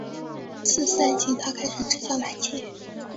次赛季他开始执教莱切。